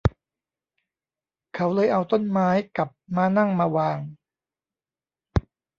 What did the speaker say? เขาเลยเอาต้นไม้กับม้านั่งมาวาง